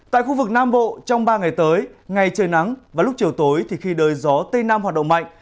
tại khu vực nam bộ trong ba ngày tới ngày trời nắng và lúc chiều tối thì khi đời gió tây nam hoạt động mạnh